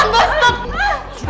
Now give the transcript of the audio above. uda teman gw kan kejam